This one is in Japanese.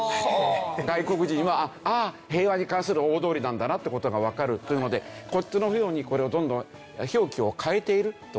外国人は「ああ平和に関する大通りなんだな」って事がわかるというのでこっちのようにこれをどんどん表記を変えているという事をしてるんですね。